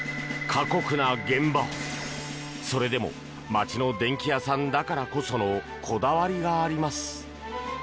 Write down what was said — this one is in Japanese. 過酷な現場、それでも町の電気屋さんだからこそのこだわりがあります。